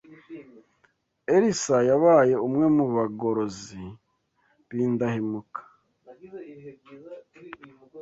Elisa yabaye umwe mu bagorozi b’indahemuka,